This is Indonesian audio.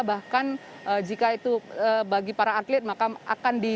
bahkan jika itu bagi para atlet maka akan di